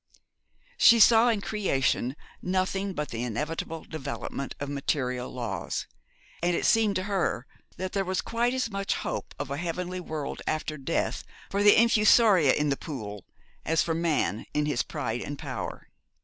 She saw in creation nothing but the inevitable development of material laws; and it seemed to her that there was quite as much hope of a heavenly world after death for the infusoria in the pool as for man in his pride and power.